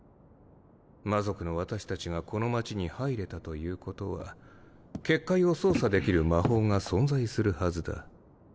魔族の私たちがこの街に入れたということは結界を操作できる魔法が存在するはずだ。